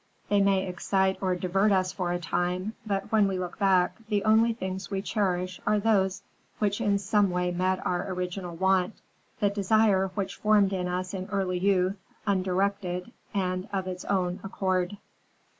They may excite or divert us for a time, but when we look back, the only things we cherish are those which in some way met our original want; the desire which formed in us in early youth, undirected, and of its own accord.